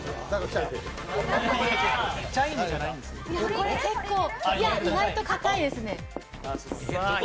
これ結構、以外と硬いですね。